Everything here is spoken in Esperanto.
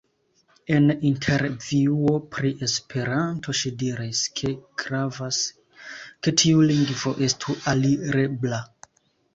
En intervjuo pri Esperanto ŝi diris, ke "gravas, ke tiu lingvo estu alirebla".